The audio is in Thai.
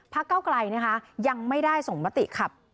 เก้าไกลนะคะยังไม่ได้ส่งมติขับ